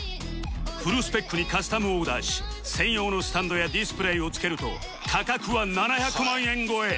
フルスペックにカスタムオーダーし専用のスタンドやディスプレイを付けると価格は７００万円超え